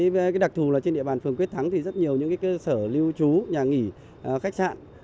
với đặc thù trên địa bàn phường quyết thắng thì rất nhiều những cơ sở lưu trú nhà nghỉ khách sạn